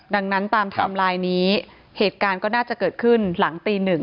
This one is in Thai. ดังนั้นตามไทม์ไลน์นี้เหตุการณ์ก็น่าจะเกิดขึ้นหลังตีหนึ่ง